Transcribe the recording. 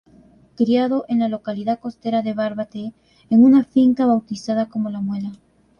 Criado en la localidad costera de Barbate, en una finca bautizada como La Muela.